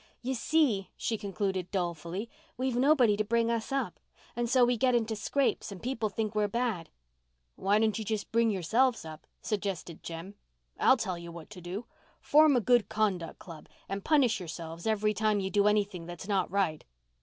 "You see," she concluded dolefully, "we've nobody to bring us up. And so we get into scrapes and people think we're bad." "Why don't you bring yourselves up?" suggested Jem. "I'll tell you what to do. Form a Good Conduct Club and punish yourselves every time you do anything that's not right."